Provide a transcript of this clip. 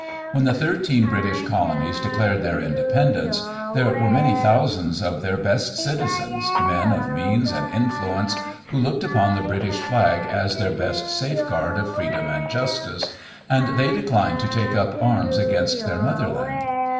When the thirteen British colonies declared their independence, there were many thousands of their best citizens, men of means and influence, who looked upon the British flag as their best safe guard of freedom and justice, and they declined to take up arms against their Motherland.